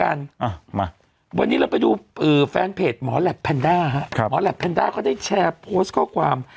อ่ะมาวันนี้เราไปดูแฟนเพจหมอแหลปแพนด้าฮะครับหมอแหลปแนนด้าก็ได้แชร์โพสต์ข้อความ